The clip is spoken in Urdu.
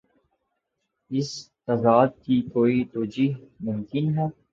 اس تضاد کی کیا کوئی توجیہہ ممکن ہے؟